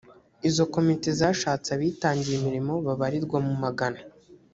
izo komite zashatse abitangiye imirimo babarirwa mu magana